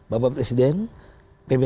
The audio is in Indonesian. bapak presiden pb tujuh puluh delapan